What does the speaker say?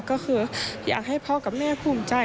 ก็คืออยากให้พ่อกับแม่ภูมิใจ